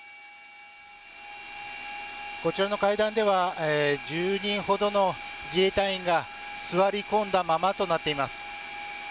こちらの階段では１０人ほどの自衛隊員が座り込んだままとなっています。